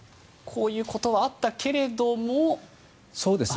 こういうことはあったけれども。